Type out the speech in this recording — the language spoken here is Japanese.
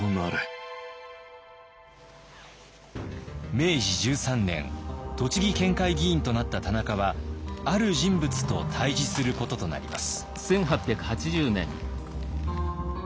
明治１３年栃木県会議員となった田中はある人物と対じすることとなります。